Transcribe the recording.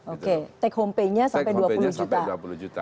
oke take home pay nya sampai dua puluh juta